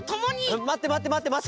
まってまってまってまって！